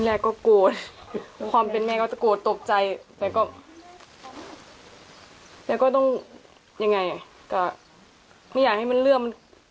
แรกก็โกรธความเป็นแม่ก็จะโกรธตกใจแต่ก็แล้วก็ต้องยังไงก็ไม่อยากให้มันเรื่องมัน